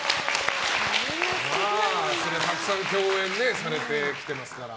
そりゃたくさん共演されてきてますから。